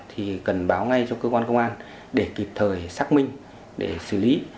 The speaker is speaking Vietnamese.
thì cần báo ngay cho cơ quan công an để kịp thời xác minh để xử lý